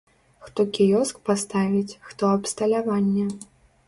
Хто кіёск паставіць, хто абсталяванне.